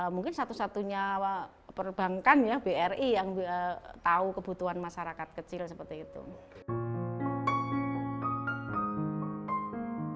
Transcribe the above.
mungkin satu satunya perbankan ya bri yang tahu kebutuhan masyarakat kecil seperti itu